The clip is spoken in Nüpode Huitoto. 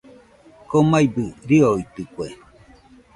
Komaibɨ riroitɨkue.